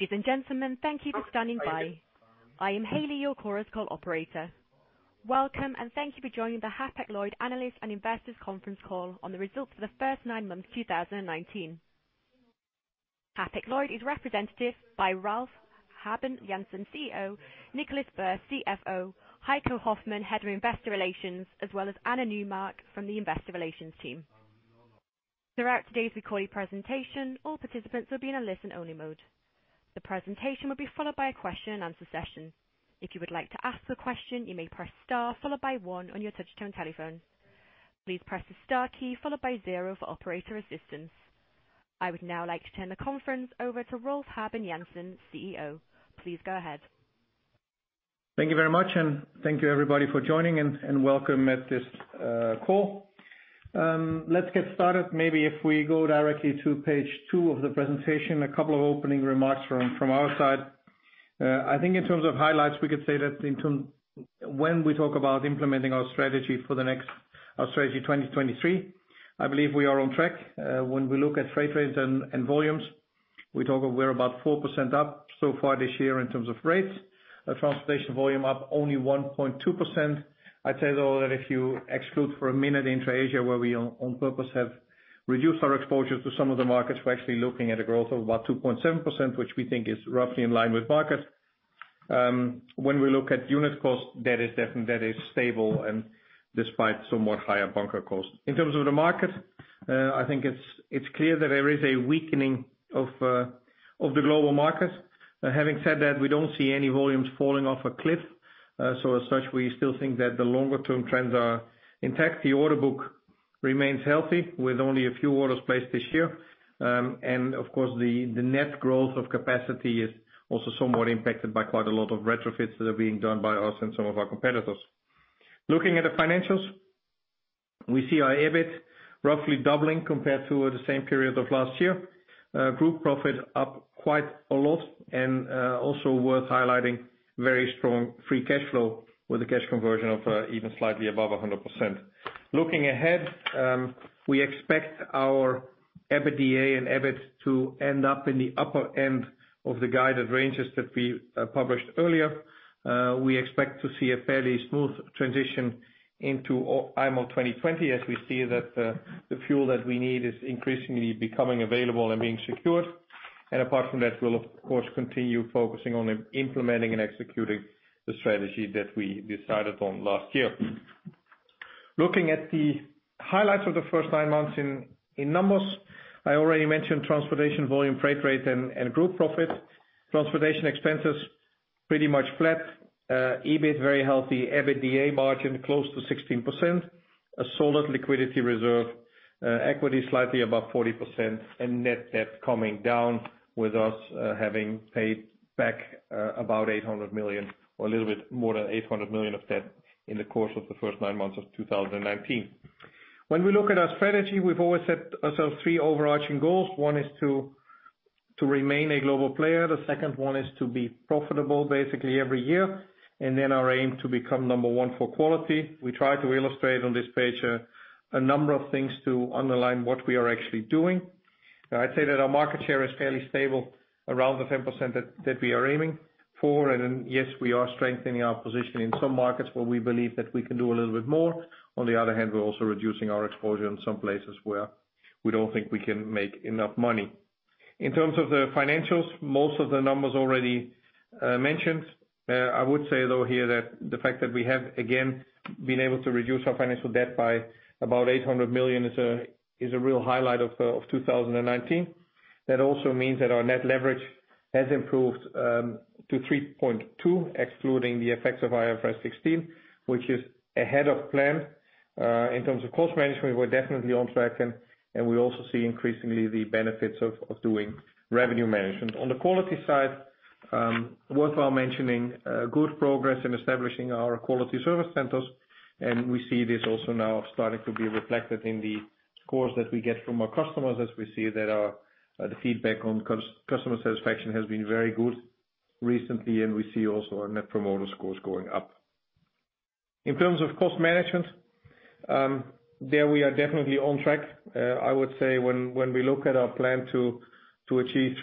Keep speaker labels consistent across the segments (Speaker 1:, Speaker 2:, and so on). Speaker 1: Ladies and gentlemen, thank you for standing by. I am Haley, your Chorus Call operator. Welcome, and thank you for joining the Hapag-Lloyd Analyst and Investors Conference Call on the results for the first nine months, 2019. Hapag-Lloyd is represented by Rolf Habben Jansen, CEO, Nicolás Burr, CFO, Heiko Hoffmann, Head of Investor Relations, as well as Anna Neumark from the Investor Relations team. Throughout today's recorded presentation, all participants will be in a listen-only mode. The presentation will be followed by a question and answer session. If you would like to ask a question, you may press star followed by one on your touch-tone telephone. Please press the star key followed by zero for operator assistance. I would now like to turn the conference over to Rolf Habben Jansen, CEO. Please go ahead.
Speaker 2: Thank you very much, and thank you everybody for joining and welcome to this call. Let's get started. Maybe if we go directly to page 2 of the presentation, a couple of opening remarks from our side. I think in terms of highlights, we could say that when we talk about implementing our Strategy 2023, I believe we are on track. When we look at freight rates and volumes, we're about 4% up so far this year in terms of rates. Our transportation volume is up only 1.2%. I'd say, though, that if you exclude for a minute Intra-Asia, where we on purpose have reduced our exposure to some of the markets, we're actually looking at a growth of about 2.7%, which we think is roughly in line with market. When we look at unit costs, that is stable and despite some more higher bunker costs. In terms of the market, I think it's clear that there is a weakening of the global market. Having said that, we don't see any volumes falling off a cliff. As such, we still think that the longer-term trends are intact. The order book remains healthy, with only a few orders placed this year. Of course, the net growth of capacity is also somewhat impacted by quite a lot of retrofits that are being done by us and some of our competitors. Looking at the financials, we see our EBIT roughly doubling compared to the same period of last year. Group profit up quite a lot and also worth highlighting very strong free cash flow with a cash conversion of even slightly above 100%. Looking ahead, we expect our EBITDA and EBIT to end up in the upper end of the guided ranges that we published earlier. We expect to see a fairly smooth transition into IMO 2020, as we see that the fuel that we need is increasingly becoming available and being secured. Apart from that, we'll of course continue focusing on implementing and executing the strategy that we decided on last year. Looking at the highlights of the first nine months in numbers, I already mentioned transportation volume, freight rate, and group profit. Transportation expenses, pretty much flat. EBIT, very healthy. EBITDA margin, close to 16%. A solid liquidity reserve. Equity, slightly above 40%. Net debt coming down with us having paid back about $800 million or a little bit more than $800 million of debt in the course of the first nine months of 2019. When we look at our strategy, we've always set ourselves three overarching goals. One is to remain a global player. The second one is to be profitable basically every year. Our aim to become number one for quality. We try to illustrate on this page a number of things to underline what we are actually doing. I'd say that our market share is fairly stable around the 10% that we are aiming for. Yes, we are strengthening our position in some markets where we believe that we can do a little bit more. On the other hand, we're also reducing our exposure in some places where we don't think we can make enough money. In terms of the financials, most of the numbers already mentioned. I would say, though, here that the fact that we have, again, been able to reduce our financial debt by about $800 million is a real highlight of 2019. That also means that our net leverage has improved to 3.2, excluding the effects of IFRS 16, which is ahead of plan. In terms of cost management, we're definitely on track and we also see increasingly the benefits of doing revenue management. On the quality side, worthwhile mentioning good progress in establishing our quality service centers. We see this also now starting to be reflected in the scores that we get from our customers as we see that our the feedback on customer satisfaction has been very good recently, and we see also our Net Promoter Scores going up. In terms of cost management, there we are definitely on track. I would say when we look at our plan to achieve $350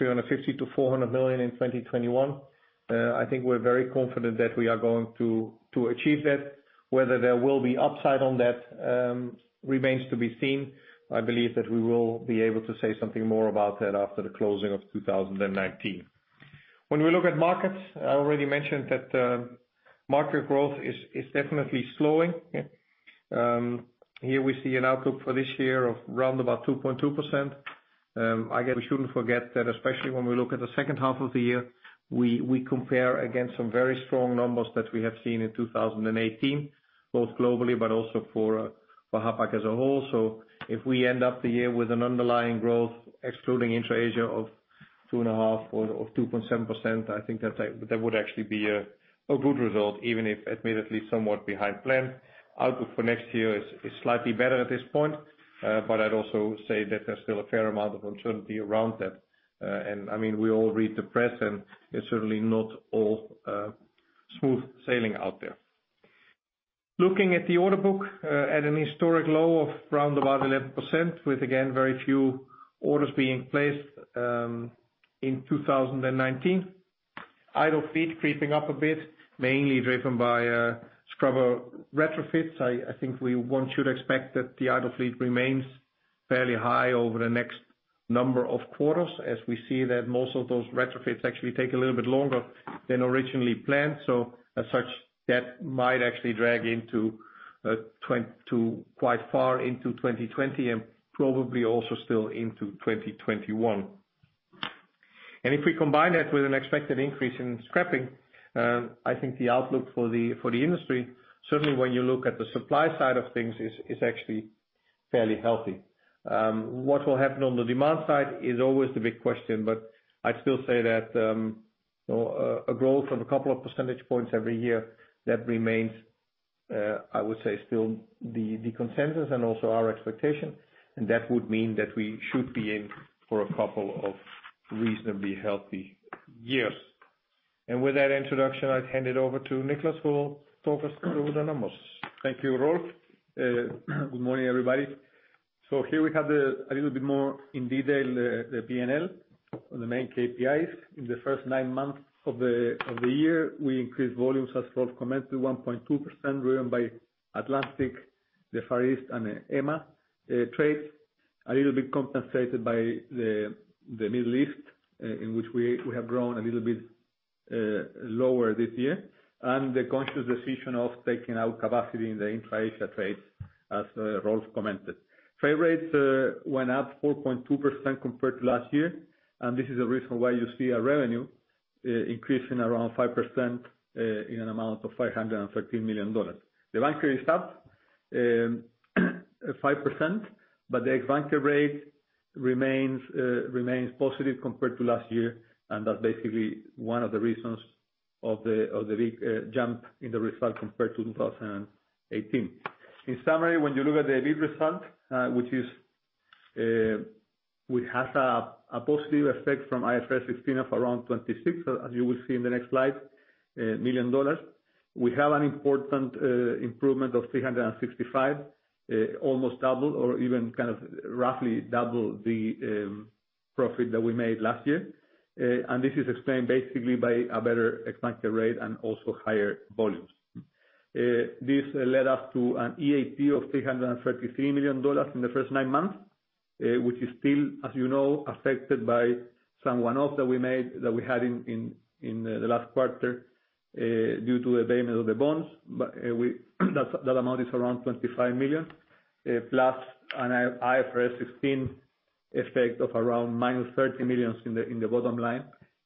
Speaker 2: million-$400 million in 2021, I think we're very confident that we are going to achieve that. Whether there will be upside on that remains to be seen. I believe that we will be able to say something more about that after the closing of 2019. When we look at markets, I already mentioned that market growth is definitely slowing. Here we see an outlook for this year of around 2.2%. I guess we shouldn't forget that especially when we look at the second half of the year, we compare against some very strong numbers that we have seen in 2018, both globally but also for Hapag as a whole. If we end up the year with an underlying growth excluding Intra-Asia of 2.5% or 2.7%, I think that would actually be a good result, even if admittedly somewhat behind plan. Outlook for next year is slightly better at this point, but I'd also say that there's still a fair amount of uncertainty around that. I mean, we all read the press, and it's certainly not all smooth sailing out there. Looking at the order book at an historic low of around 11%, with again very few orders being placed in 2019. Idle fleet creeping up a bit, mainly driven by scrubber retrofits. I think one should expect that the idle fleet remains fairly high over the next number of quarters, as we see that most of those retrofits actually take a little bit longer than originally planned. As such, that might actually drag into quite far into 2020, and probably also still into 2021. If we combine that with an expected increase in scrapping, I think the outlook for the industry, certainly when you look at the supply side of things, is actually fairly healthy. What will happen on the demand side is always the big question. I'd still say that a growth of a couple of percentage points every year remains, I would say, still the consensus and also our expectation. That would mean that we should be in for a couple of reasonably healthy years. With that introduction, I'd hand it over to Nicolás, who will talk us through the numbers.
Speaker 3: Thank you, Rolf. Good morning, everybody. Here we have a little bit more in detail the P&L on the main KPIs. In the first nine months of the year, we increased volumes, as Rolf commented, 1.2%, driven by Atlantic, the Far East, and EMEA trades. A little bit compensated by the Middle East, in which we have grown a little bit lower this year. The conscious decision of taking out capacity in the intra-Asia trades, as Rolf commented. Freight rates went up 4.2% compared to last year, and this is the reason why you see our revenue increasing around 5%, in an amount of $513 million. The bunker is up 5%, but the ex-bunker rate remains positive compared to last year. That's basically one of the reasons of the big jump in the result compared to 2018. In summary, when you look at the EBIT result, which has a positive effect from IFRS 16 of around $26 million, as you will see in the next slide, million dollars. We have an important improvement of $365 million, almost double or even kind of roughly double the profit that we made last year. This is explained basically by a better ex-bunker rate and also higher volumes. This led us to an EAT of $333 million in the first nine months, which is still, as you know, affected by some one-off that we had in the last quarter due to the payment of the bonds. That amount is around $25 million plus an IFRS 16 effect of around minus $30 million in the bottom line.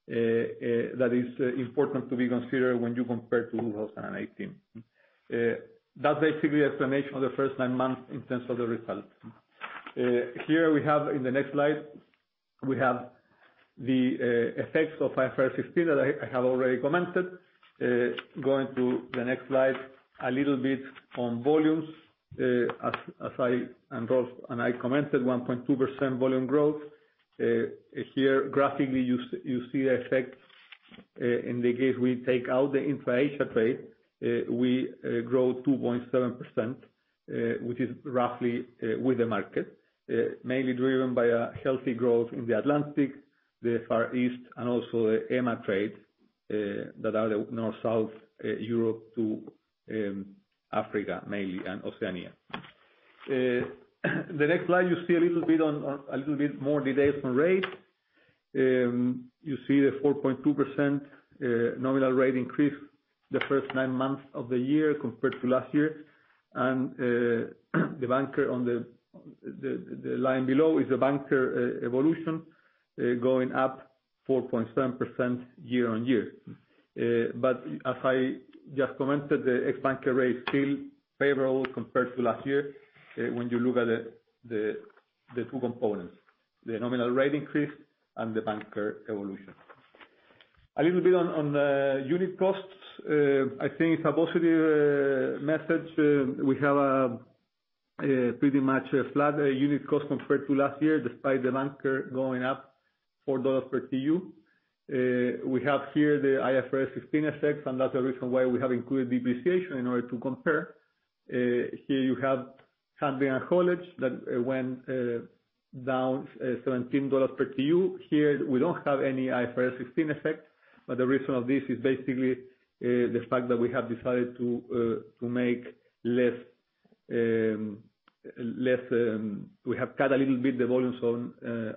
Speaker 3: That is important to be considered when you compare to 2018. That's basically the explanation of the first nine months in terms of the results. Here we have. In the next slide, we have the effects of IFRS 16 that I have already commented. Going to the next slide, a little bit on volumes. As I and Rolf commented, 1.2% volume growth. Here graphically, you see the effect, in the case we take out the intra-Asia trade. We grow 2.7%, which is roughly with the market, mainly driven by a healthy growth in the Atlantic, the Far East, and also EMEA trade, that are the North-South, Europe to Africa mainly, and Oceania. The next slide you see a little bit on a little bit more details on rate. You see the 4.2% nominal rate increase the first nine months of the year compared to last year. The bunker on the line below is the bunker evolution, going up 4.7% year on year. As I just commented, the ex-bunker rate is still favorable compared to last year, when you look at the two components, the nominal rate increase and the bunker evolution. A little bit on the unit costs. I think it's a positive message. We have pretty much a flat unit cost compared to last year, despite the bunker going up $4 per TEU. We have here the IFRS 16 effects, and that's the reason why we have included depreciation in order to compare. Here you have handlings and haulage that went down $17 per TEU. Here, we don't have any IFRS 16 effect, but the reason for this is basically the fact that we have decided to make less. We have cut a little bit the volumes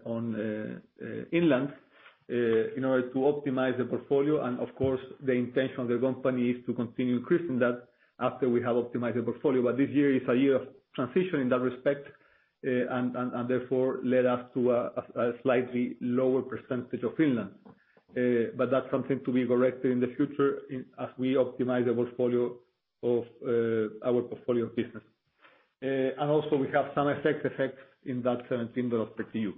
Speaker 3: on inland in order to optimize the portfolio. Of course, the intention of the company is to continue increasing that after we have optimized the portfolio. This year is a year of transition in that respect, and therefore led us to a slightly lower percentage of inland. That's something to be corrected in the future in as we optimize the portfolio of our portfolio business. Also we have some effects in that $17 per TEU.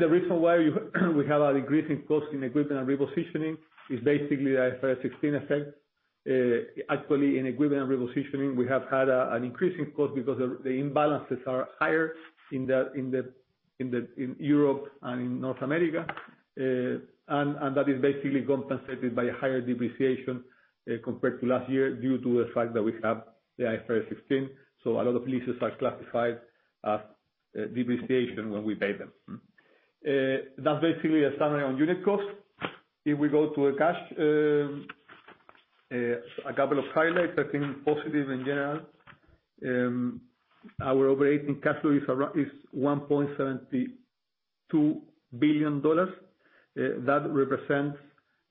Speaker 3: The reason why we have an increase in cost in equipment and repositioning is basically the IFRS 16 effect. Actually, in equipment and repositioning, we have had an increase in cost because the imbalances are higher in Europe and in North America. That is basically compensated by a higher depreciation compared to last year due to the fact that we have the IFRS 16. A lot of leases are classified as depreciation when we pay them. That's basically a summary on unit costs. If we go to the cash, a couple of highlights that seem positive in general. Our operating cash flow is $1.72 billion. That represents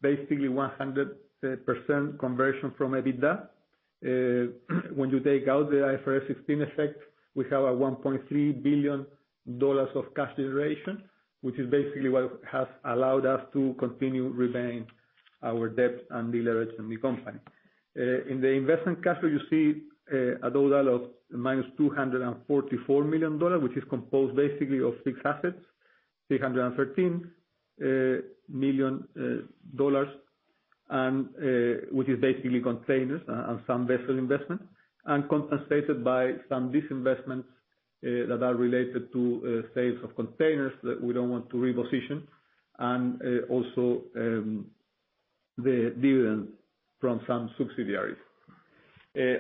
Speaker 3: basically 100% conversion from EBITDA. When you take out the IFRS 16 effect, we have $1.3 billion of cash generation, which is basically what has allowed us to continue repaying our debt and deleverage in the company. In the investment cash flow, you see a total of -$244 million, which is composed basically of fixed assets, $313 million, which is basically containers and some vessel investment. Compensated by some disinvestment that are related to sales of containers that we don't want to reposition, and also the dividend from some subsidiaries.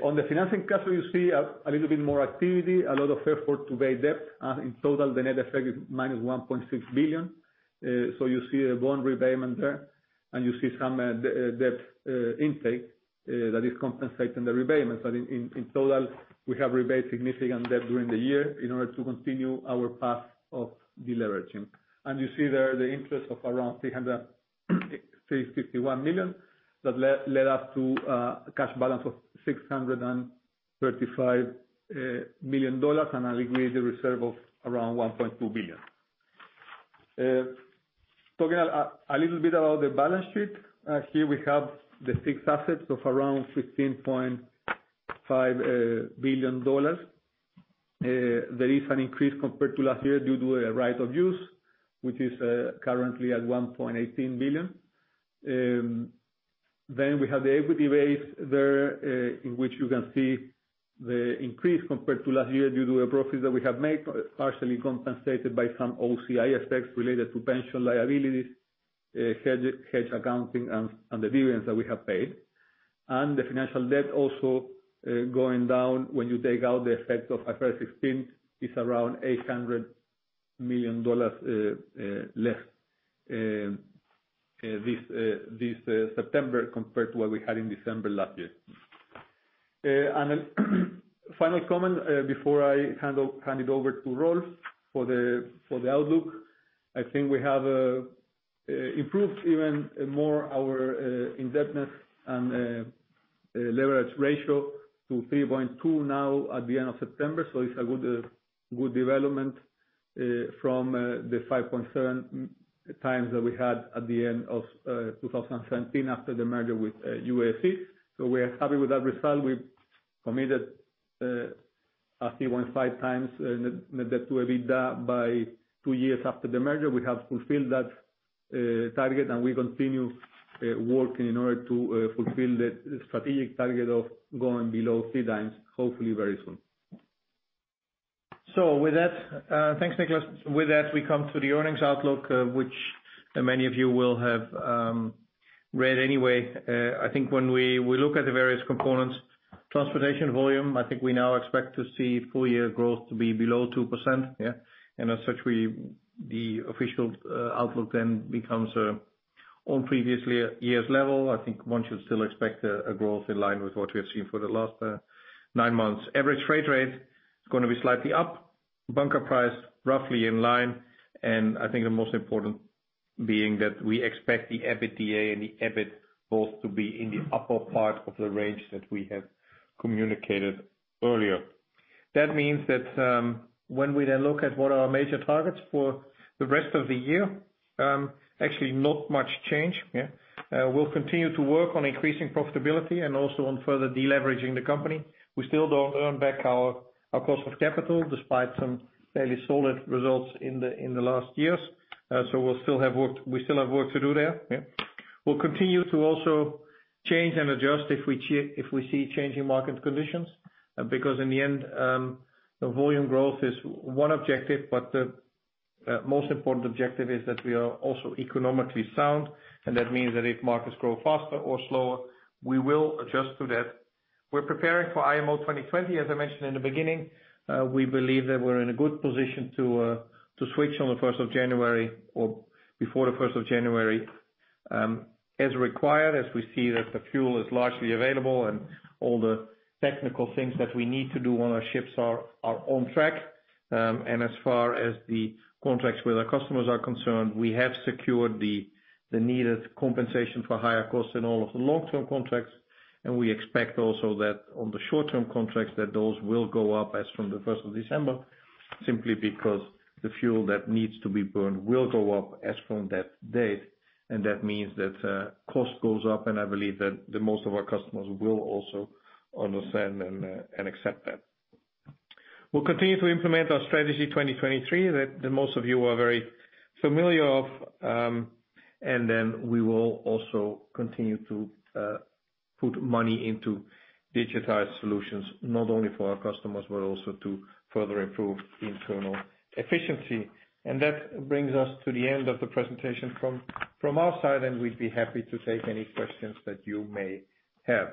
Speaker 3: On the financing cash flow, you see a little bit more activity, a lot of effort to pay debt. In total, the net effect is -$1.6 billion. You see a bond repayment there, and you see some debt intake that is compensating the repayments. In total, we have repaid significant debt during the year in order to continue our path of deleveraging. You see there the interest of around $361 million that led us to a cash balance of $635 million and a regulated reserve of around $1.2 billion. Talking a little bit about the balance sheet. Here we have the fixed assets of around $15.5 billion. There is an increase compared to last year due to a right of use, which is currently at $1.18 billion. We have the equity base there, in which you can see the increase compared to last year due to a profit that we have made, partially compensated by some OCI effects related to pension liabilities, hedge accounting and the dividends that we have paid. The financial debt also, going down when you take out the effect of IFRS 16, is around $800 million less this September compared to what we had in December last year. Final comment before I hand it over to Rolf for the outlook. I think we have improved even more our indebtedness and leverage ratio to 3.2 now at the end of September. It's a good development from the 5.7x that we had at the end of 2017 after the merger with UASC. We are happy with that result. We've committed 3.5x net debt to EBITDA by two years after the merger. We have fulfilled that target, and we continue working in order to fulfill the strategic target of going below 3x, hopefully very soon.
Speaker 2: With that, thanks, Nicolás. With that, we come to the earnings outlook, which many of you will have read anyway. I think when we look at the various components, transportation volume, I think we now expect to see full year growth to be below 2%. As such, the official outlook then becomes on previous year's level. I think one should still expect a growth in line with what we have seen for the last nine months. Average freight rate is gonna be slightly up, bunker price roughly in line, and I think the most important being that we expect the EBITDA and the EBIT both to be in the upper part of the range that we have communicated earlier. That means that, when we then look at what are our major targets for the rest of the year, actually not much change, yeah. We'll continue to work on increasing profitability and also on further deleveraging the company. We still don't earn back our cost of capital, despite some fairly solid results in the last years. We'll still have work to do there, yeah. We'll continue to also change and adjust if we see changing market conditions. Because in the end, the volume growth is one objective, but the most important objective is that we are also economically sound, and that means that if markets grow faster or slower, we will adjust to that. We're preparing for IMO 2020, as I mentioned in the beginning. We believe that we're in a good position to switch on the first of January or before the first of January, as required, as we see that the fuel is largely available and all the technical things that we need to do on our ships are on track. As far as the contracts with our customers are concerned, we have secured the needed compensation for higher costs in all of the long-term contracts. We expect also that on the short-term contracts, that those will go up as from the first of December, simply because the fuel that needs to be burned will go up as from that date. That means that cost goes up, and I believe that the most of our customers will also understand and accept that. We'll continue to implement our Strategy 2023 that most of you are very familiar with. We will also continue to put money into digitized solutions, not only for our customers, but also to further improve internal efficiency. That brings us to the end of the presentation from our side, and we'd be happy to take any questions that you may have.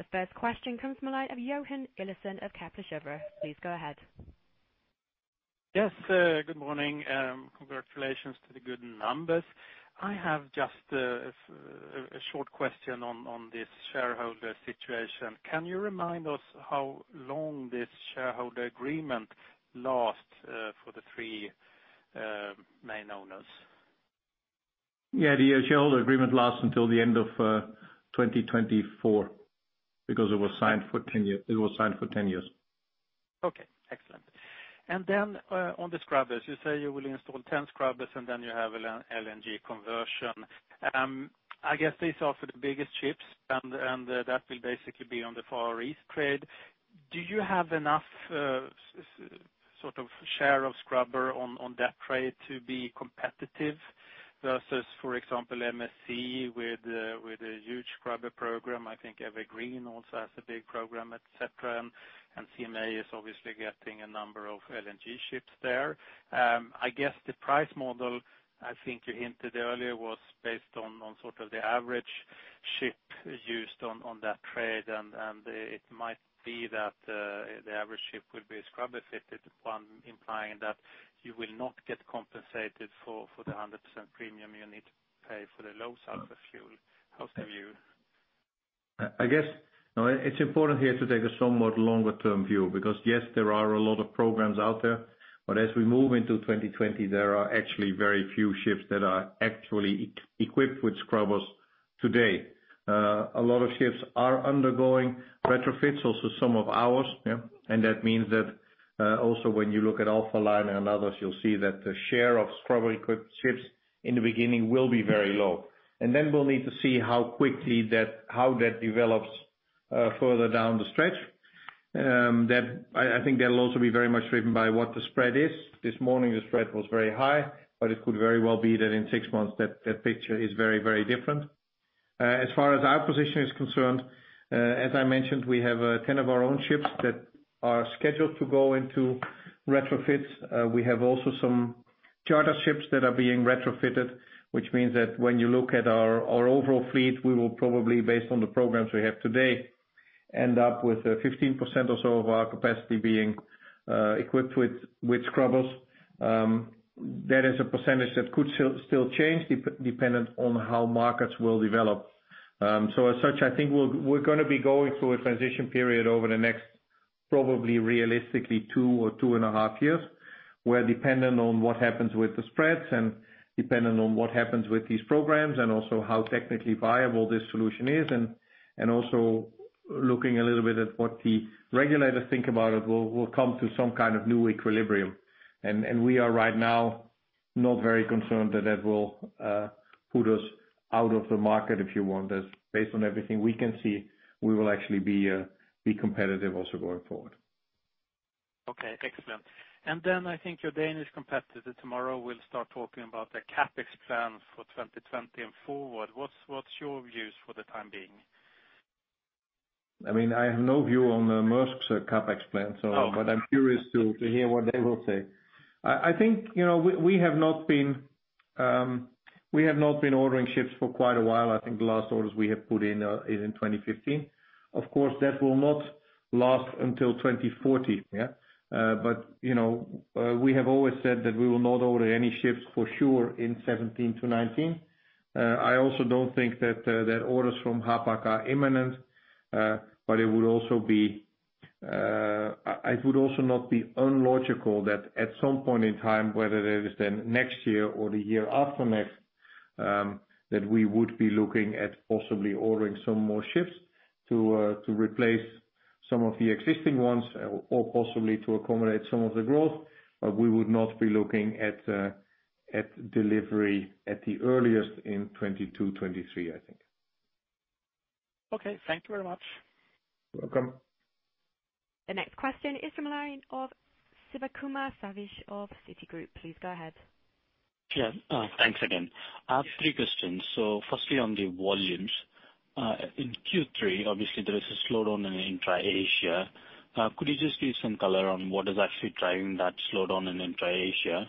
Speaker 1: The first question comes from the line of Johan Eliason of Kepler Cheuvreux. Please go ahead.
Speaker 4: Yes, good morning. Congratulations to the good numbers. I have just a short question on this shareholder situation. Can you remind us how long this shareholder agreement lasts for the three main owners?
Speaker 2: Yeah. The shareholder agreement lasts until the end of 2024 because it was signed for ten years.
Speaker 4: Okay, excellent. On the scrubbers, you say you will install 10 scrubbers, and then you have an LNG conversion. I guess these are for the biggest ships and that will basically be on the Far East trade. Do you have enough sort of share of scrubber on that trade to be competitive versus, for example, MSC with a huge scrubber program? I think Evergreen also has a big program, et cetera. CMA is obviously getting a number of LNG ships there. I guess the price model, I think you hinted earlier, was based on sort of the average ship used on that trade, and it might be that the average ship will be scrubber-fitted, implying that you will not get compensated for the 100% premium you need to pay for the low-sulfur fuel. How's the view?
Speaker 2: No, it's important here to take a somewhat longer term view because, yes, there are a lot of programs out there. As we move into 2020, there are actually very few ships that are actually equipped with scrubbers today. A lot of ships are undergoing retrofits, also some of ours. That means that also when you look at Alphaliner and others, you'll see that the share of scrubber equipped ships in the beginning will be very low. We'll need to see how quickly that develops further down the stretch. That, I think that'll also be very much driven by what the spread is. This morning, the spread was very high, but it could very well be that in six months that picture is very, very different. As far as our position is concerned, as I mentioned, we have 10 of our own ships that are scheduled to go into retrofits. We have also some charter ships that are being retrofitted, which means that when you look at our overall fleet, we will probably, based on the programs we have today, end up with 15% or so of our capacity being equipped with scrubbers. That is a percentage that could still change dependent on how markets will develop. As such, I think we're gonna be going through a transition period over the next, probably realistically 2 or 2.5 years, where depending on what happens with the spreads and depending on what happens with these programs and also how technically viable this solution is, and also looking a little bit at what the regulators think about it, we'll come to some kind of new equilibrium. We are right now not very concerned that that will put us out of the market, if you want. As based on everything we can see, we will actually be competitive also going forward.
Speaker 4: Okay, excellent. I think your Danish competitor tomorrow will start talking about the CapEx plans for 2020 and forward. What's your views for the time being?
Speaker 2: I mean, I have no view on Maersk's CapEx plan, so.
Speaker 4: Okay.
Speaker 2: I'm curious to hear what they will say. I think you know we have not been ordering ships for quite a while. I think the last orders we have put in is in 2015. Of course, that will not last until 2040. You know we have always said that we will not order any ships for sure in 2017 to 2019. I also don't think that orders from Hapag are imminent. It would also not be illogical that at some point in time, whether it is then next year or the year after next, that we would be looking at possibly ordering some more ships to replace some of the existing ones or possibly to accommodate some of the growth. We would not be looking at delivery at the earliest in 2022, 2023, I think.
Speaker 4: Okay. Thank you very much.
Speaker 2: You're welcome.
Speaker 1: The next question is from the line of Sathish Sivakumar of Citigroup. Please go ahead.
Speaker 5: Yeah. Thanks again. I have three questions. Firstly, on the volumes. In Q3, obviously there is a slowdown in Intra-Asia. Could you just give some color on what is actually driving that slowdown in Intra-Asia?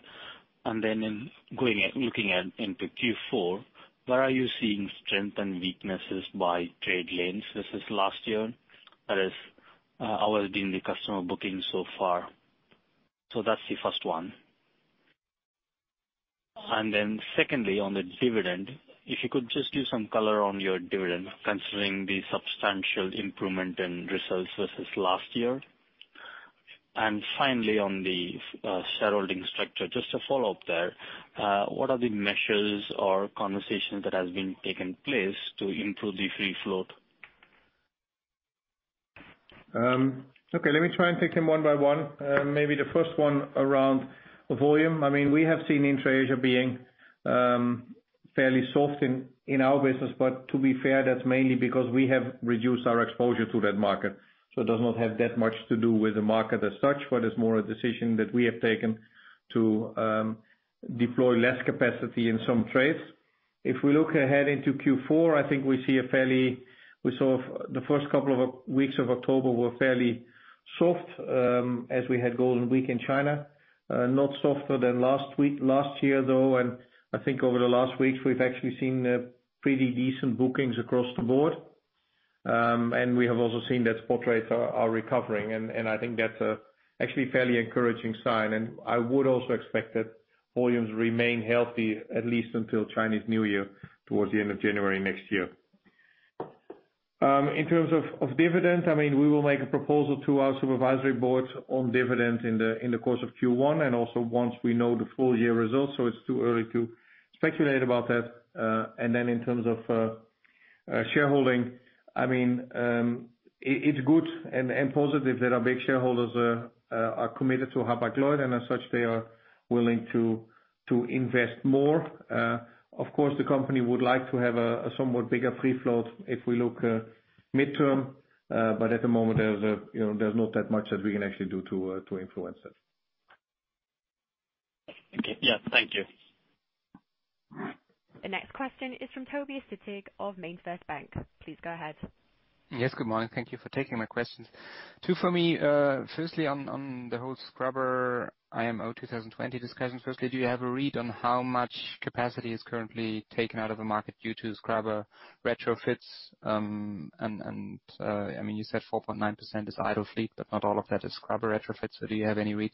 Speaker 5: Looking into Q4, where are you seeing strength and weaknesses by trade lanes versus last year? That is, how has been the customer booking so far? That's the first one. Secondly, on the dividend, if you could just give some color on your dividend considering the substantial improvement in results versus last year. Finally, on the shareholding structure, just a follow-up there. What are the measures or conversations that has been taken place to improve the free float?
Speaker 2: Okay, let me try and take them one by one. Maybe the first one around volume. I mean, we have seen Intra-Asia being fairly soft in our business. To be fair, that's mainly because we have reduced our exposure to that market. It does not have that much to do with the market as such, but it's more a decision that we have taken to deploy less capacity in some trades. If we look ahead into Q4, we saw the first couple of weeks of October were fairly soft, as we had Golden Week in China. Not softer than last year though, and I think over the last weeks, we've actually seen pretty decent bookings across the board. We have also seen that spot rates are recovering, and I think that's actually fairly encouraging sign. I would also expect that volumes remain healthy at least until Chinese New Year, towards the end of January next year. In terms of dividend, I mean, we will make a proposal to our supervisory board on dividends in the course of Q1, and also once we know the full year results, so it's too early to speculate about that. In terms of shareholding, I mean, it's good and positive that our big shareholders are committed to Hapag-Lloyd, and as such, they are willing to invest more. Of course, the company would like to have a somewhat bigger free float if we look mid-term, but at the moment, you know, there's not that much that we can actually do to influence that.
Speaker 5: Okay. Yeah. Thank you.
Speaker 1: The next question is from Tobias Sittig of MainFirst Bank. Please go ahead.
Speaker 6: Yes, good morning. Thank you for taking my questions. Two for me. Firstly, on the whole scrubber IMO 2020 discussion, do you have a read on how much capacity is currently taken out of the market due to scrubber retrofits? I mean, you said 4.9% is idle fleet, but not all of that is scrubber retrofits. Do you have any read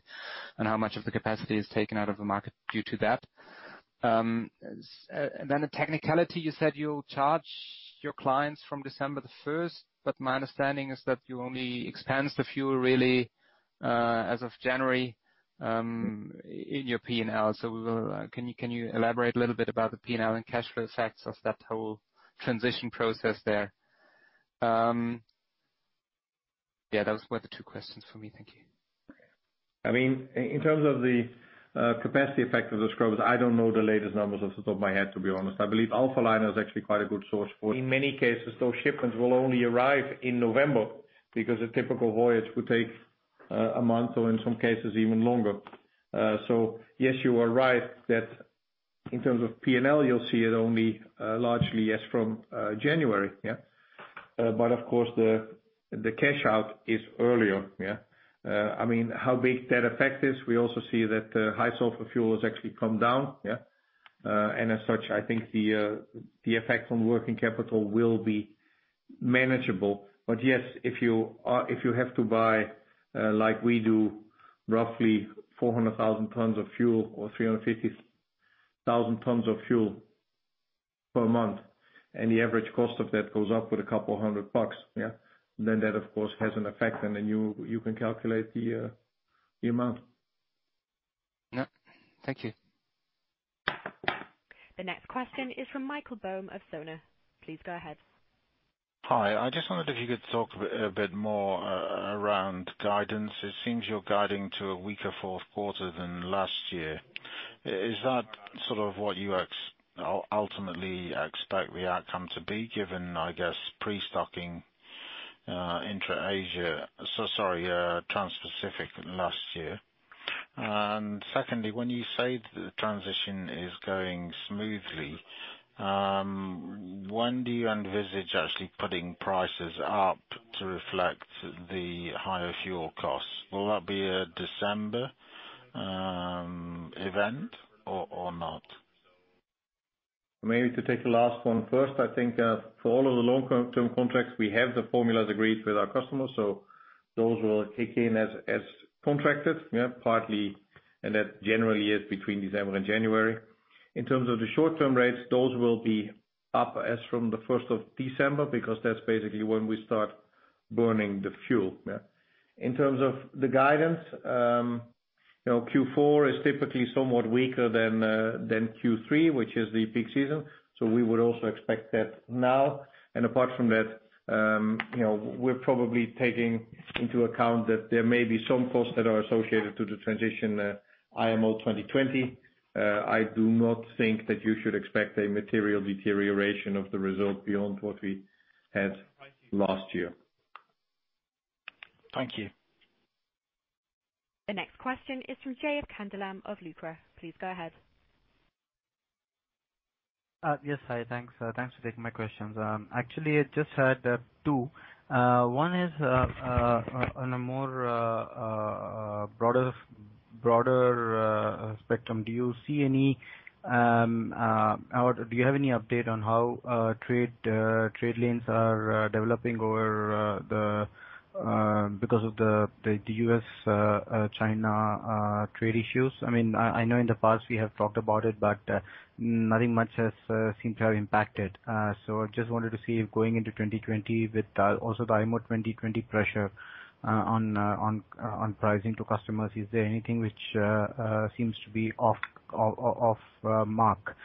Speaker 6: on how much of the capacity is taken out of the market due to that? And then the technicality, you said you'll charge your clients from December 1, but my understanding is that you only expense the fuel really as of January in your P&L. Can you elaborate a little bit about the P&L and cash flow effects of that whole transition process there? Yeah, those were the two questions for me. Thank you.
Speaker 2: I mean, in terms of the capacity effect of the scrubbers, I don't know the latest numbers off the top of my head, to be honest. I believe Alphaliner is actually quite a good source for it. In many cases, those shipments will only arrive in November because a typical voyage would take a month or in some cases even longer. Yes, you are right that in terms of P&L, you'll see it only largely, yes, from January, yeah. Of course, the cash out is earlier, yeah. I mean, how big that effect is, we also see that high sulfur fuel has actually come down, yeah. As such, I think the effect on working capital will be manageable. Yes, if you are, if you have to buy, like we do, roughly 400,000 tons of fuel or 350,000 tons of fuel per month, and the average cost of that goes up with a couple hundred bucks, yeah, then that, of course, has an effect, and then you can calculate the amount.
Speaker 6: Yeah. Thank you.
Speaker 1: The next question is from Michael Boam of Sona. Please go ahead.
Speaker 7: Hi. I just wondered if you could talk a bit more around guidance. It seems you're guiding to a weaker fourth quarter than last year. Is that sort of what you ultimately expect the outcome to be given, I guess, pre-stocking intra-Asia, so sorry, Trans-Pacific last year? Secondly, when you say the transition is going smoothly, when do you envisage actually putting prices up to reflect the higher fuel costs? Will that be a December event or not?
Speaker 2: Maybe to take the last one first, I think, for all of the long-term contracts, we have the formulas agreed with our customers, so those will kick in as contracted, partly, and that generally is between December and January. In terms of the short-term rates, those will be up as from the 1st of December because that's basically when we start burning the fuel. In terms of the guidance, you know, Q4 is typically somewhat weaker than than Q3, which is the peak season. We would also expect that now. Apart from that, you know, we're probably taking into account that there may be some costs that are associated to the transition, IMO 2020. I do not think that you should expect a material deterioration of the result beyond what we had last year.
Speaker 7: Thank you.
Speaker 1: The next question is from Jayanth Kandalam of Lucror. Please go ahead.
Speaker 8: Yes. Hi, thanks. Thanks for taking my questions. Actually, I just had two. One is on a more broader spectrum. Do you see any or do you have any update on how trade lanes are developing because of the U.S. China trade issues? I mean, I know in the past we have talked about it, but nothing much has seemed to have impacted. I just wanted to see if going into 2020 with also the IMO 2020 pressure on pricing to customers, is there anything which seems to be off mark?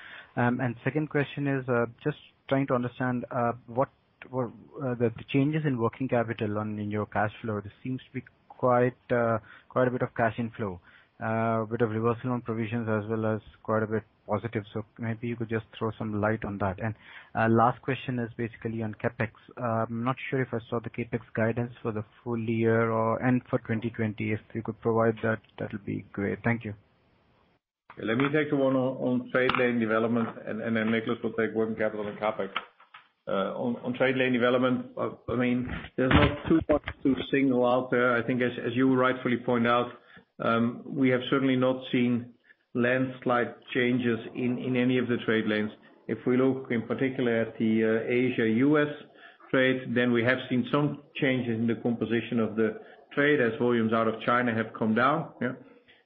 Speaker 8: Second question is just trying to understand what were the changes in working capital in your cash flow. This seems to be quite a bit of cash inflow. A bit of reversal on provisions as well as quite a bit positive. Maybe you could just throw some light on that. Last question is basically on CapEx. I'm not sure if I saw the CapEx guidance for the full year or for 2020. If you could provide that'll be great. Thank you.
Speaker 2: Let me take the one on trade lane development, and then Nicolás will take working capital and CapEx. On trade lane development, I mean, there's not too much to single out there. I think as you rightfully point out, we have certainly not seen landslide changes in any of the trade lanes. If we look in particular at the Asia-U.S. trade, then we have seen some changes in the composition of the trade as volumes out of China have come down.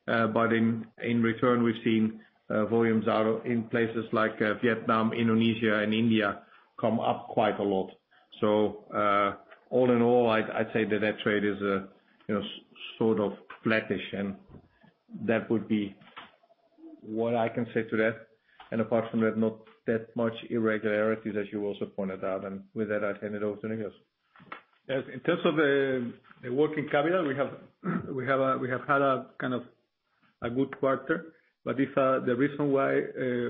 Speaker 2: But in return, we've seen volumes out of places like Vietnam, Indonesia and India come up quite a lot. All in all, I'd say that trade is, you know, sort of flattish. That would be what I can say to that. Apart from that, not that much irregularities as you also pointed out. With that, I hand it over to Nicolás.
Speaker 3: Yes. In terms of the working capital, we have had a kind of a good quarter, but it's the reason why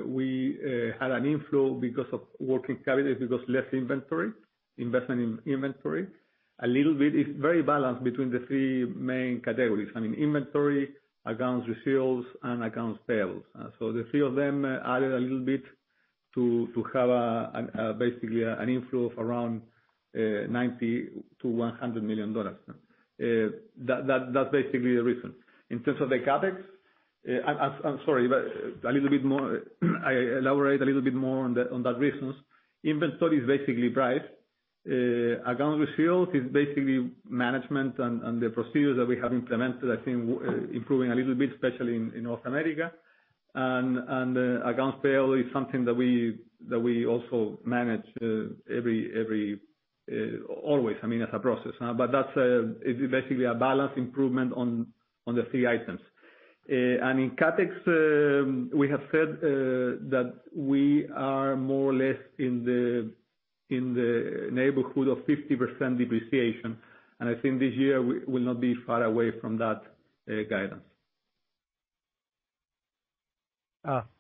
Speaker 3: we had an inflow because of working capital is because less investment in inventory. A little bit is very balanced between the three main categories, I mean, inventory, accounts receivable, and accounts payable. So the three of them added a little bit to have a basically an inflow of around $90 million-$100 million. That's basically the reason. In terms of the CapEx, I'm sorry, but a little bit more, I elaborate a little bit more on that, on that reasons. Inventory is basically price. Accounts receivable is basically management and the procedures that we have implemented, I think improving a little bit, especially in North America. Accounts payable is something that we also manage always, I mean, as a process. It's basically a balance improvement on the three items. In CapEx, we have said that we are more or less in the neighborhood of 50% depreciation, and I think this year we will not be far away from that guidance.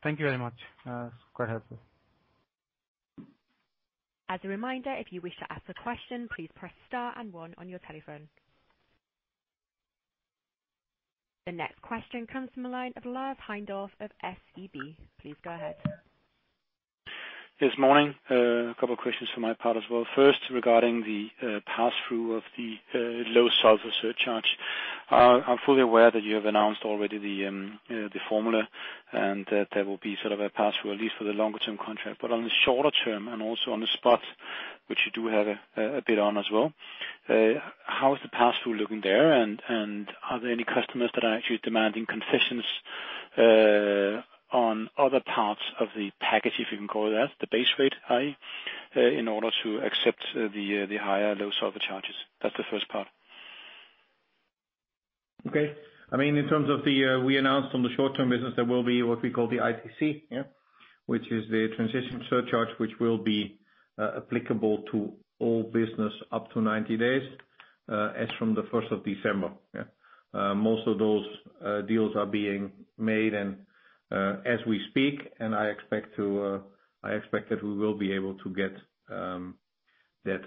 Speaker 8: Thank you very much. It's quite helpful.
Speaker 1: As a reminder, if you wish to ask a question, please press star and one on your telephone. The next question comes from the line of Lars Heindorff of SEB. Please go ahead.
Speaker 9: Yes, morning. A couple questions from my part as well. First, regarding the pass-through of the low sulfur surcharge. I'm fully aware that you have announced already the formula and that there will be sort of a pass-through, at least for the longer term contract. But on the shorter term, and also on the spot, which you do have a bit on as well, how is the pass-through looking there and are there any customers that are actually demanding concessions on other parts of the package, if you can call it that, the base rate, i.e., in order to accept the higher low sulfur charges? That's the first part. Okay. I mean, in terms of the we announced on the short-term business, there will be what we call the ITC. Which is the transition surcharge, which will be applicable to all business up to 90 days as from the first of December. Most of those deals are being made and, as we speak, and I expect that we will be able to get that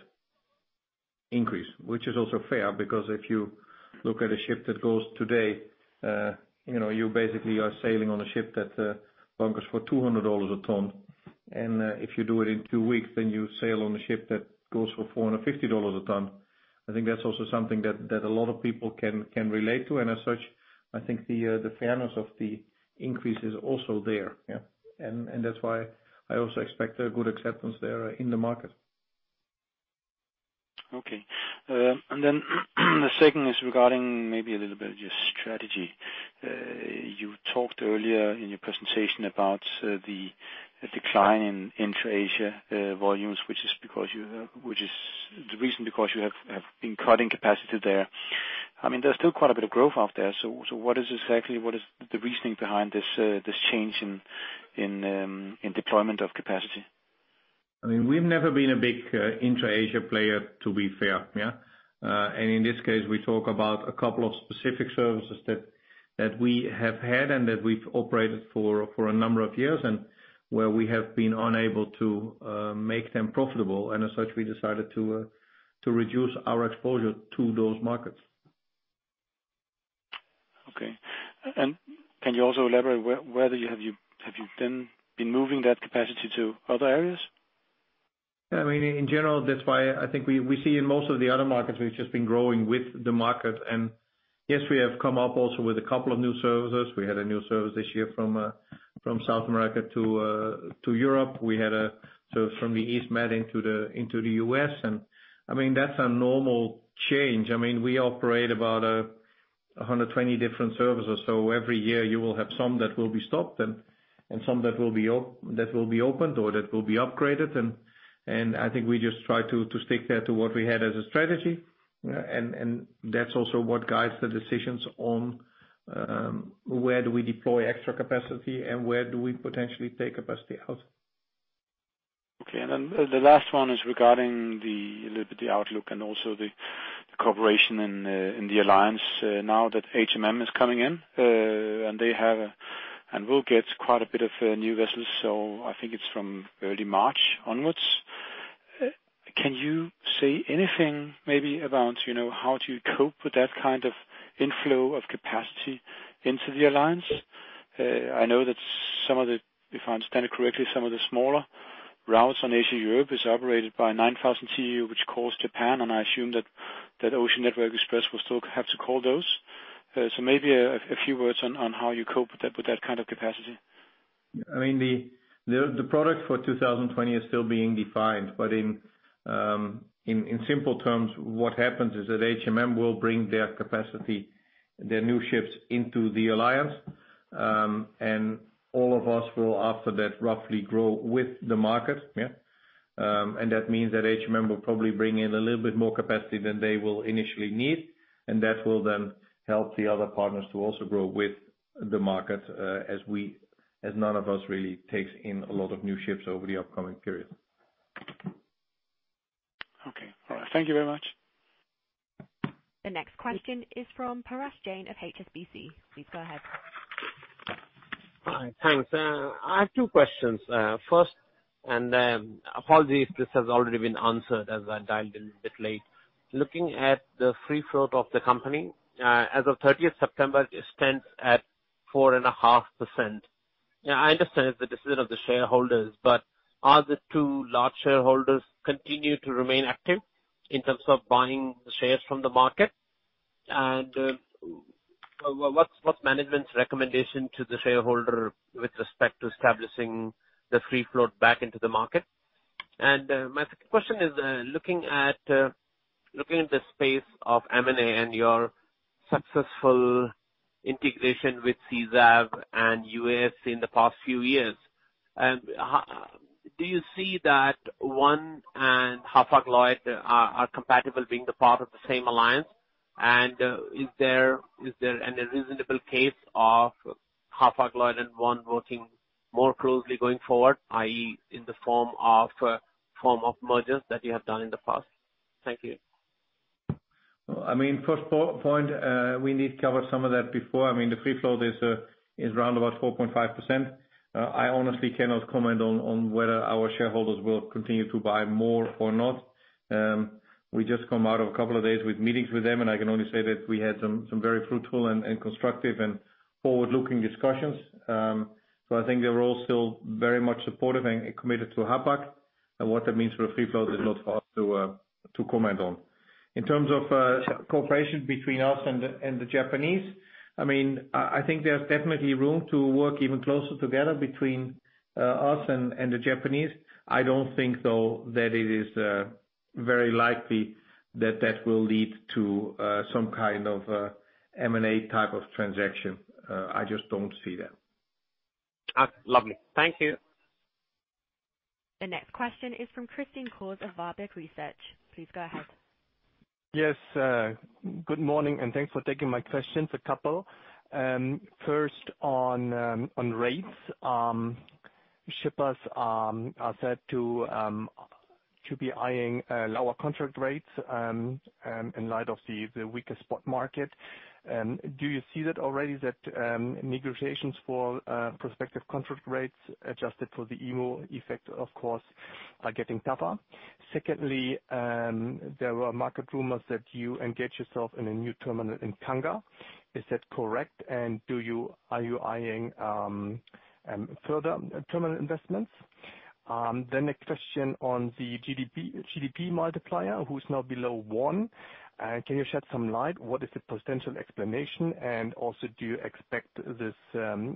Speaker 9: increase. Which is also fair because if you look at a ship that goes today, you know, you basically are sailing on a ship that bunkers for $200 a ton. If you do it in two weeks, then you sail on a ship that goes for $450 a ton. I think that's also something that a lot of people can relate to. As such, I think the fairness of the increase is also there. Yeah. That's why I also expect a good acceptance there in the market. Okay. The second is regarding maybe a little bit your strategy. You talked earlier in your presentation about the decline in Intra-Asia volumes, which is because you have been cutting capacity there. I mean, there's still quite a bit of growth out there. What is exactly the reasoning behind this change in deployment of capacity?
Speaker 2: I mean, we've never been a big, Intra-Asia player, to be fair. Yeah. In this case, we talk about a couple of specific services that we have had and that we've operated for a number of years and where we have been unable to make them profitable. As such, we decided to reduce our exposure to those markets.
Speaker 9: Okay. Can you also elaborate whether you have then been moving that capacity to other areas?
Speaker 2: I mean, in general, that's why I think we see in most of the other markets, we've just been growing with the market. Yes, we have come up also with a couple of new services. We had a new service this year from South America to Europe. We had a service from the East Med into the UASC. I mean, that's a normal change. I mean, we operate about 120 different services. Every year you will have some that will be stopped and some that will be opened or that will be upgraded. I think we just try to stick there to what we had as a strategy. That's also what guides the decisions on where do we deploy extra capacity and where do we potentially take capacity out.
Speaker 9: Okay. Then the last one is regarding a little bit the outlook and also the cooperation in the alliance now that HMM is coming in, and they have and will get quite a bit of new vessels. I think it's from early March onwards. Can you say anything maybe about, you know, how to cope with that kind of inflow of capacity into the alliance? I know that some of if I understand it correctly, some of the smaller routes on Asia Europe is operated by 9,000 TEU, which calls Japan, and I assume that Ocean Network Express will still have to call those. Maybe a few words on how you cope with that kind of capacity.
Speaker 2: I mean, the product for 2020 is still being defined. In simple terms, what happens is that HMM will bring their capacity, their new ships into the alliance. All of us will after that roughly grow with the market. Yeah. That means that HMM will probably bring in a little bit more capacity than they will initially need, and that will then help the other partners to also grow with the market, as none of us really takes in a lot of new ships over the upcoming period.
Speaker 9: Okay, all right. Thank you very much.
Speaker 1: The next question is from Parash Jain of HSBC. Please go ahead.
Speaker 10: Hi. Thanks. I have two questions. First, apologies if this has already been answered as I dialed in a bit late. Looking at the free float of the company, as of thirtieth September, it stands at 4.5%. Now, I understand it's the decision of the shareholders, but are the two large shareholders continue to remain active in terms of buying the shares from the market? What's management's recommendation to the shareholder with respect to establishing the free float back into the market? My second question is, looking at the space of M&A and your successful integration with CSAV and UASC in the past few years. Do you see that ONE and Hapag-Lloyd are compatible being part of the same alliance? Is there any reasonable case of Hapag-Lloyd and ONE working more closely going forward, i.e., in the form of mergers that you have done in the past? Thank you.
Speaker 2: I mean, first point, we need to cover some of that before. I mean, the free float is around about 4.5%. I honestly cannot comment on whether our shareholders will continue to buy more or not. We just come out of a couple of days with meetings with them, and I can only say that we had some very fruitful and constructive and forward-looking discussions. I think they were all still very much supportive and committed to Hapag-Lloyd. What that means for a free float is not for us to comment on. In terms of cooperation between us and the Japanese, I think there's definitely room to work even closer together between us and the Japanese. I don't think, though, that it is very likely that that will lead to some kind of M&A type of transaction. I just don't see that.
Speaker 10: Lovely. Thank you.
Speaker 1: The next question is from Christian Cohrs of Warburg Research. Please go ahead.
Speaker 11: Yes. Good morning, and thanks for taking my questions. A couple. First on rates. Shippers are said to be eyeing lower contract rates in light of the weaker spot market. Do you see that already negotiations for prospective contract rates adjusted for the IMO effect, of course, are getting tougher? Secondly, there were market rumors that you engage yourself in a new terminal in Tangier. Is that correct? Are you eyeing further terminal investments? Then a question on the GDP multiplier, which is now below one. Can you shed some light? What is the potential explanation? Also, do you expect this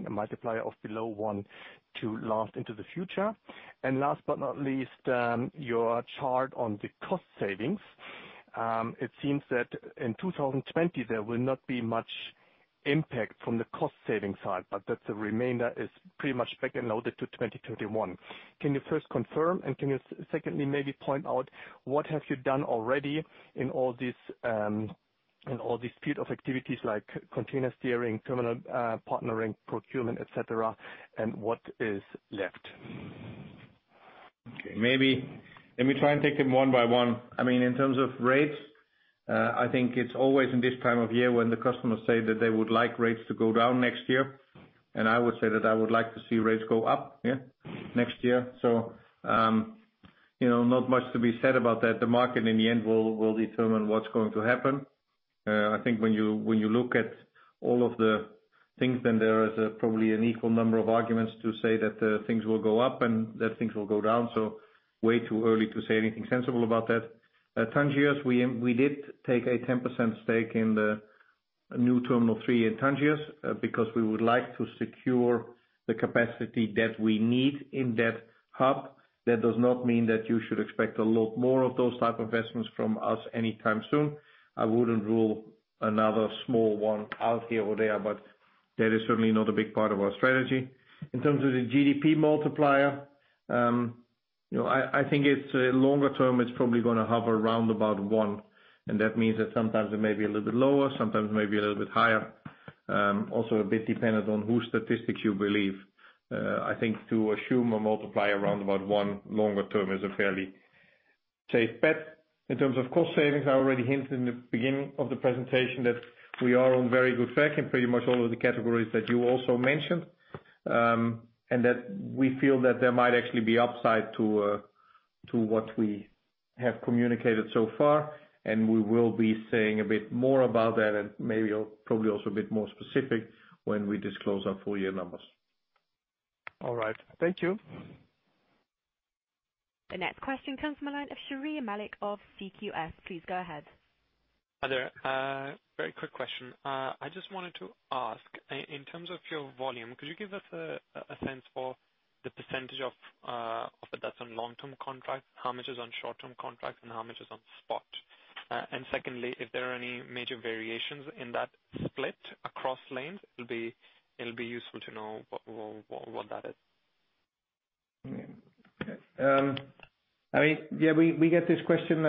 Speaker 11: multiplier of below one to last into the future? Last but not least, your chart on the cost savings. It seems that in 2020 there will not be much impact from the cost saving side, but that the remainder is pretty much back-end loaded to 2021. Can you first confirm? Can you secondly maybe point out what have you done already in all this, in all these period of activities like container steering, terminal, partnering, procurement, et cetera, and what is left?
Speaker 2: Okay. Maybe let me try and take them one by one. I mean, in terms of rates, I think it's always in this time of year when the customers say that they would like rates to go down next year. I would say that I would like to see rates go up, yeah, next year. You know, not much to be said about that. The market, in the end, will determine what's going to happen. I think when you look at all of the things, then there is probably an equal number of arguments to say that things will go up and that things will go down. Way too early to say anything sensible about that. At Tangier, we did take a 10% stake in the new terminal three in Tangier, because we would like to secure the capacity that we need in that hub. That does not mean that you should expect a lot more of those type investments from us anytime soon. I wouldn't rule another small one out here or there, but that is certainly not a big part of our strategy. In terms of the GDP multiplier, I think it's longer term, it's probably gonna hover around about one, and that means that sometimes it may be a little bit lower, sometimes maybe a little bit higher. Also a bit dependent on whose statistics you believe. I think to assume a multiplier around about one longer term is a fairly safe bet. In terms of cost savings, I already hinted in the beginning of the presentation that we are on very good track in pretty much all of the categories that you also mentioned that we feel that there might actually be upside to what we have communicated so far, and we will be saying a bit more about that and maybe probably also a bit more specific when we disclose our full year numbers.
Speaker 11: All right. Thank you.
Speaker 1: The next question comes from the line of Sheharyar Malik of CQS. Please go ahead.
Speaker 12: Hi there. Very quick question. I just wanted to ask in terms of your volume, could you give us a sense for the percentage of that's on long-term contracts, how much is on short-term contracts and how much is on spot? Secondly, if there are any major variations in that split across lanes, it'll be useful to know what that is.
Speaker 2: Okay. I mean, yeah, we get this question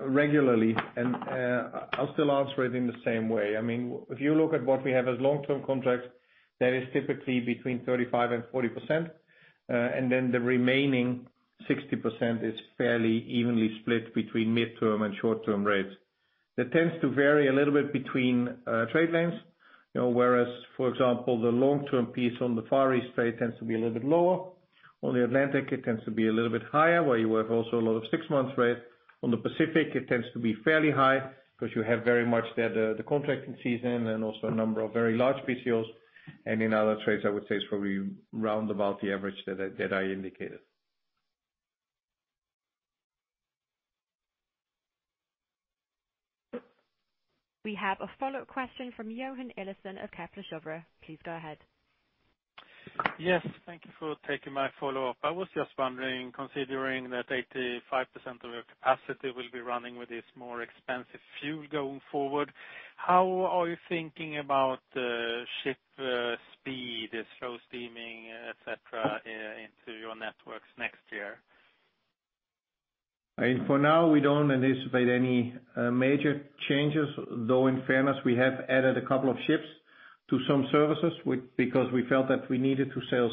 Speaker 2: regularly, and I'll still answer it in the same way. I mean, if you look at what we have as long-term contracts, that is typically between 35%-40%, and then the remaining 60% is fairly evenly split between mid-term and short-term rates. That tends to vary a little bit between trade lanes. You know, whereas, for example, the long-term piece on the Far East trade tends to be a little bit lower. On the Atlantic, it tends to be a little bit higher, where you have also a lot of 6-month rates. On the Pacific, it tends to be fairly high because you have very much there the contracting season and also a number of very large BCOs. In other trades, I would say it's probably round about the average that I indicated.
Speaker 1: We have a follow-up question from Johan Eliason of Kepler Cheuvreux. Please go ahead.
Speaker 4: Yes. Thank you for taking my follow-up. I was just wondering, considering that 85% of your capacity will be running with this more expensive fuel going forward, how are you thinking about ship speed, slow steaming, et cetera, into your networks next year?
Speaker 2: I mean, for now, we don't anticipate any major changes, though in fairness, we have added a couple of ships to some services because we felt that we needed to sail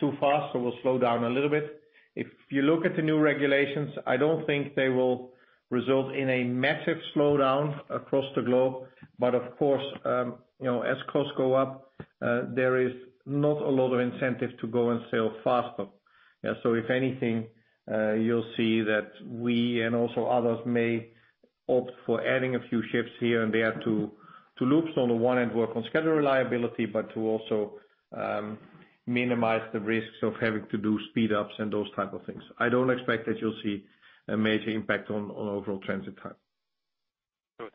Speaker 2: too fast, so we'll slow down a little bit. If you look at the new regulations, I don't think they will result in a massive slowdown across the globe. Of course, you know, as costs go up, there is not a lot of incentive to go and sail faster. If anything, you'll see that we and also others may opt for adding a few ships here and there to loops on the one end work on schedule reliability, but to also minimize the risks of having to do speed ups and those type of things. I don't expect that you'll see a major impact on overall transit time.
Speaker 4: Good.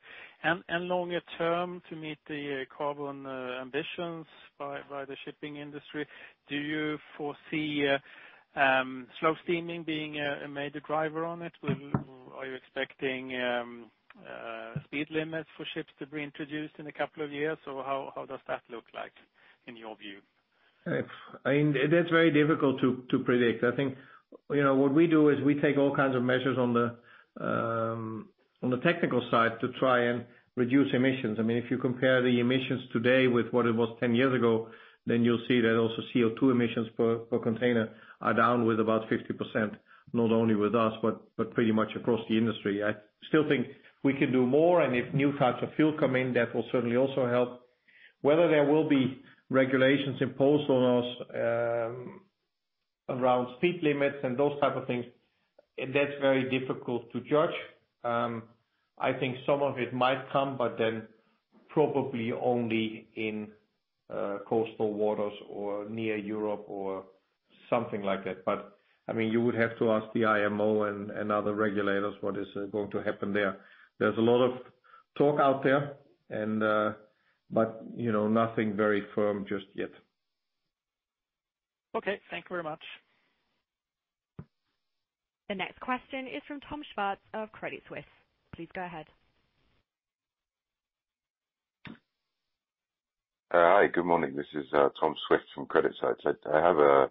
Speaker 4: Longer term, to meet the carbon ambitions by the shipping industry, do you foresee slow steaming being a major driver on it? Are you expecting speed limits for ships to be introduced in a couple of years? Or how does that look like in your view?
Speaker 2: I mean, that's very difficult to predict. I think, you know, what we do is we take all kinds of measures on the technical side to try and reduce emissions. I mean, if you compare the emissions today with what it was 10 years ago, then you'll see that also CO2 emissions per container are down with about 50%, not only with us, but pretty much across the industry. I still think we can do more, and if new types of fuel come in, that will certainly also help. Whether there will be regulations imposed on us around speed limits and those type of things, that's very difficult to judge. I think some of it might come, but then probably only in coastal waters or near Europe or something like that. I mean, you would have to ask the IMO and other regulators what is going to happen there. There's a lot of talk out there and, but, you know, nothing very firm just yet.
Speaker 4: Okay. Thank you very much.
Speaker 1: The next question is from Tom Schwarz of Credit Suisse. Please go ahead.
Speaker 13: Hi. Good morning. This is Tom Schwarz from Credit Suisse. I have a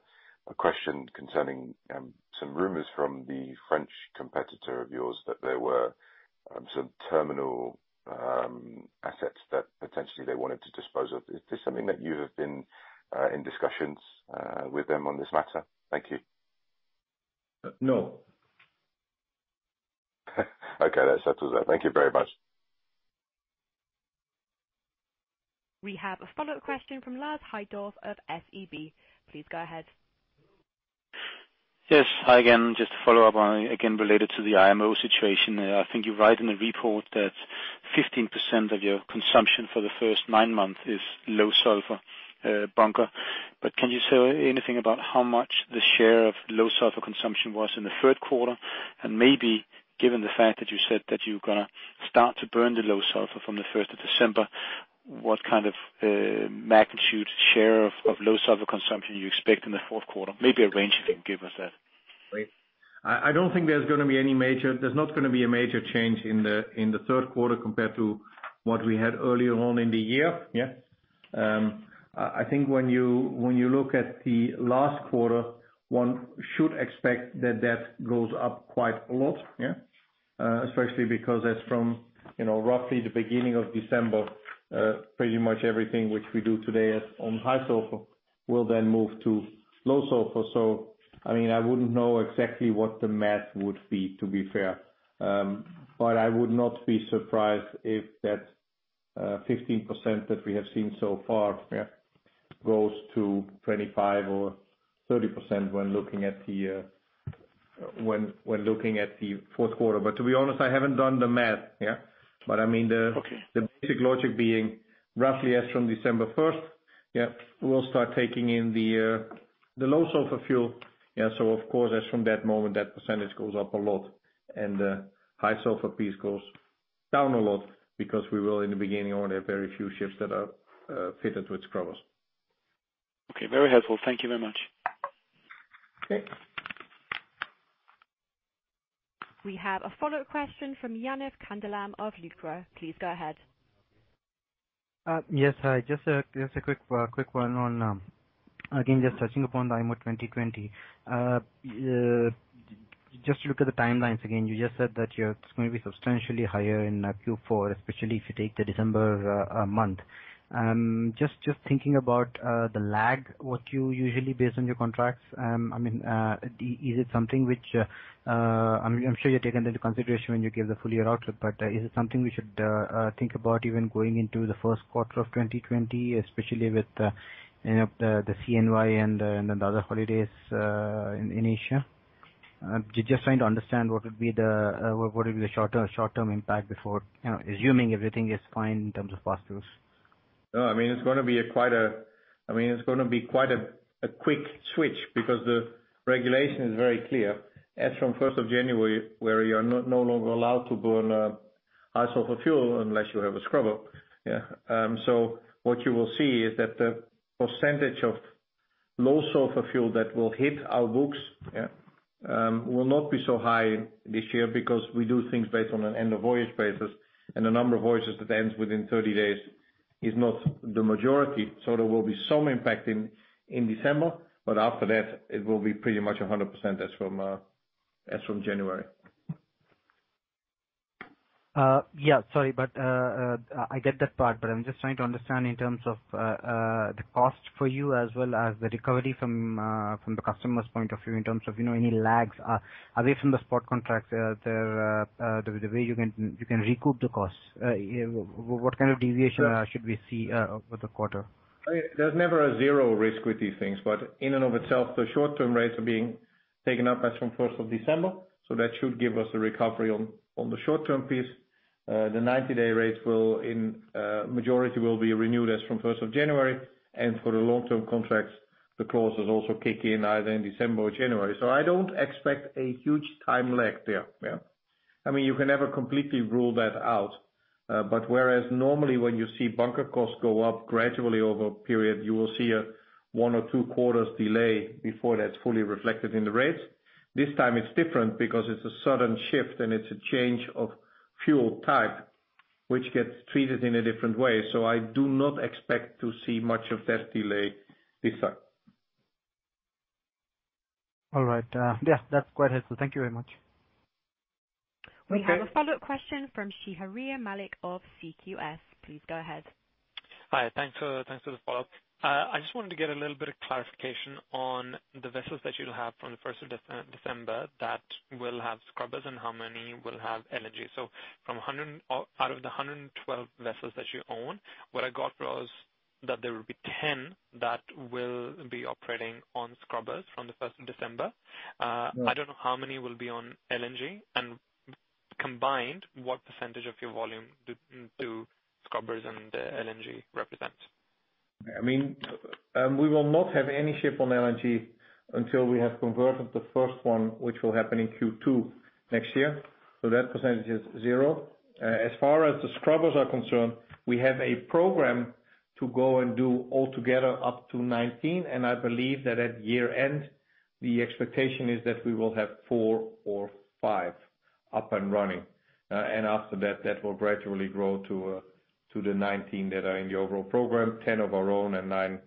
Speaker 13: question concerning some rumors from the French competitor of yours that there were some terminal assets that potentially they wanted to dispose of. Is this something that you have been in discussions with them on this matter? Thank you.
Speaker 2: No.
Speaker 13: Okay, that settles that. Thank you very much.
Speaker 1: We have a follow-up question from Lars Heindorff of SEB. Please go ahead.
Speaker 9: Yes. Hi again. Just to follow up on, again, related to the IMO situation. I think you write in the report that 15% of your consumption for the first nine months is low sulfur bunker. Can you say anything about how much the share of low sulfur consumption was in the third quarter? Maybe, given the fact that you said that you're gonna start to burn the low sulfur from the first of December, what kind of magnitude share of low sulfur consumption you expect in the fourth quarter? Maybe a range, if you can give us that.
Speaker 2: I don't think there's gonna be any major change in the third quarter compared to what we had earlier on in the year. Yeah. I think when you look at the last quarter, one should expect that goes up quite a lot. Yeah. Especially because that's from, you know, roughly the beginning of December, pretty much everything which we do today on high sulfur will then move to low sulfur. I mean, I wouldn't know exactly what the math would be, to be fair. I would not be surprised if that 15% that we have seen so far, yeah, goes to 25% or 30% when looking at the fourth quarter. To be honest, I haven't done the math. Yeah. I mean.
Speaker 9: Okay.
Speaker 2: The basic logic being roughly as from December first, we'll start taking in the low sulfur fuel. Of course, as from that moment, that percentage goes up a lot, and high sulfur piece goes down a lot because we will in the beginning only have very few ships that are fitted with scrubbers.
Speaker 9: Okay, very helpful. Thank you very much.
Speaker 2: Okay.
Speaker 1: We have a follow-up question from Jayanth Kandalam of Lucror. Please go ahead.
Speaker 8: Yes. Hi, just a quick one on, again, just touching upon the IMO 2020. Just to look at the timelines again, you just said that it's gonna be substantially higher in Q4, especially if you take the December month. Just thinking about the lag, what you usually base on your contracts. I mean, is it something which, I mean, I'm sure you've taken into consideration when you give the full year outlook, but is it something we should think about even going into the first quarter of 2020, especially with, you know, the CNY and the other holidays in Asia? Just trying to understand what would be the short term impact before. You know, assuming everything is fine in terms of pass-throughs.
Speaker 2: No, I mean, it's gonna be quite a quick switch because the regulation is very clear. As from first of January, where you're no longer allowed to burn high sulfur fuel unless you have a scrubber. Yeah. What you will see is that the percentage of low sulfur fuel that will hit our books, yeah, will not be so high this year because we do things based on an end of voyage basis, and the number of voyages that ends within 30 days is not the majority. There will be some impact in December, but after that, it will be pretty much 100% as from January.
Speaker 8: I get that part, but I'm just trying to understand in terms of the cost for you as well as the recovery from the customer's point of view in terms of, you know, any lags away from the spot contracts, the way you can recoup the costs, what kind of deviation should we see over the quarter?
Speaker 2: There's never a zero risk with these things, but in and of itself, the short-term rates are being taken up as from first of December, so that should give us a recovery on the short-term piece. The 90-day rates will, in majority, be renewed as from first of January. For the long-term contracts, the clauses also kick in either in December or January. I don't expect a huge time lag there. Yeah. I mean, you can never completely rule that out. But whereas normally when you see bunker costs go up gradually over a period, you will see a one or two quarters delay before that's fully reflected in the rates. This time it's different because it's a sudden shift and it's a change of fuel type, which gets treated in a different way. I do not expect to see much of that delay this time.
Speaker 8: All right. Yeah, that's quite helpful. Thank you very much.
Speaker 2: Okay.
Speaker 1: We have a follow-up question from Sheharyar Malik of CQS. Please go ahead.
Speaker 12: Hi. Thanks for the follow-up. I just wanted to get a little bit of clarification on the vessels that you'll have from the first of December that will have scrubbers and how many will have LNG. Out of the 112 vessels that you own, what I got was that there will be 10 that will be operating on scrubbers from the first of December. I don't know how many will be on LNG. Combined, what percentage of your volume do scrubbers and LNG represent?
Speaker 2: I mean, we will not have any ship on LNG until we have converted the first one, which will happen in Q2 next year. That percentage is zero. As far as the scrubbers are concerned, we have a program to go and do altogether up to 19, and I believe that at year-end, the expectation is that we will have 4 or 5 up and running. After that will gradually grow to the 19 that are in the overall program, 10 of our own and 9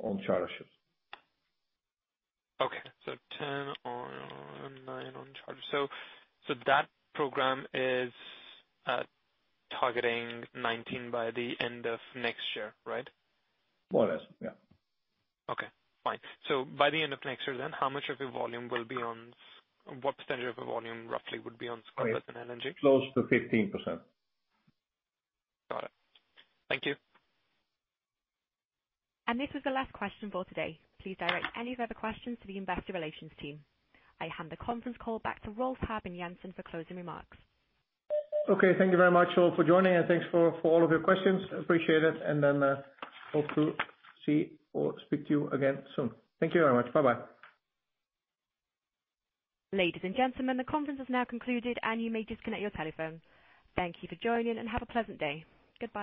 Speaker 2: on charter ships.
Speaker 12: Okay. 10 owned, 9 on charter. That program is targeting 19 by the end of next year, right?
Speaker 2: More or less, yeah.
Speaker 12: By the end of next year, what percentage of the volume roughly would be on scrubbers and LNG?
Speaker 2: Close to 15%.
Speaker 12: Got it. Thank you.
Speaker 1: This is the last question for today. Please direct any further questions to the investor relations team. I hand the conference call back to Rolf Habben Jansen for closing remarks.
Speaker 2: Okay. Thank you very much all for joining, and thanks for all of your questions. Appreciate it. Hope to see or speak to you again soon. Thank you very much. Bye-bye.
Speaker 1: Ladies and gentlemen, the conference has now concluded, and you may disconnect your telephone. Thank you for joining, and have a pleasant day. Goodbye.